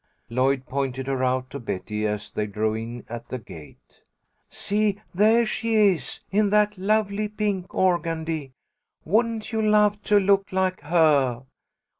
Lloyd pointed her out to Betty as they drove in at the gate. "See, there she is, in that lovely pink organdy. Wouldn't you love to look like her?